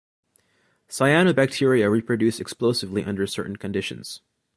Cyanobacteria reproduce explosively under certain conditions.